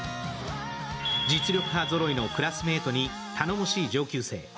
実力派ぞろいのクラスメートに頼もしい上級生。